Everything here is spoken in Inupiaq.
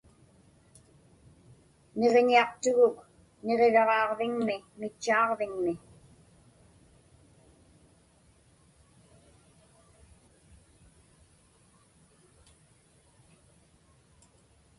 Niġiñiaqtuguk niġiraġaaġviŋmi mitchaaġviŋmi.